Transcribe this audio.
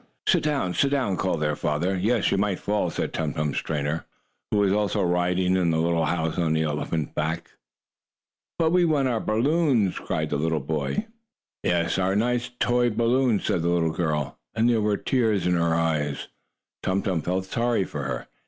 "Sit down! Sit down!" called their father. "Yes, you might fall," said Tum Tum's trainer, or keeper, who was also riding in the little house on the elephant's back. "But we want our balloons!" cried the little boy. "Yes, our nice toy balloons!" said the little girl, and there were tears in her eyes. Tum Tum felt sorry for her.